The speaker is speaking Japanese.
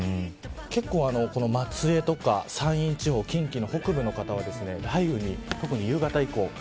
結構、松江とか山陰地方近畿の北部の方は雷雨に特に夕方以降。